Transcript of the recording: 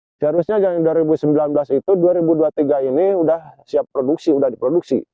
seharusnya yang dua ribu sembilan belas itu dua ribu dua puluh tiga ini sudah siap produksi sudah diproduksi